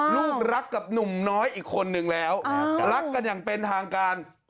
ลูกรักกับหนุ่มน้อยอีกคนนึงแล้วรักกันอย่างเป็นทางการ